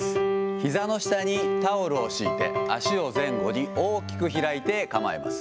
ひざの下にタオルを敷いて、足を前後に大きく開いて構えます。